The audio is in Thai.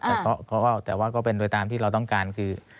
แต่ว่าแต่ว่าก็เป็นโดยตามที่เราต้องการคือ